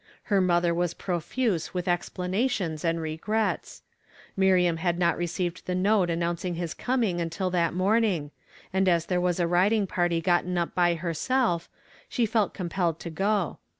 Her mother Avas profuse with explanations and regrets. Mir iam had not received the note announcing his coming until that morning; and as there was a riding party gotten up by herself, she felt com pelled to go.